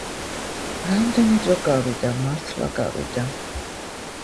რამდენი დრო გავიდა მართლა გავიდა